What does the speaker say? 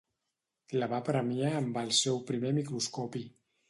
La va premiar amb el seu primer microscopi.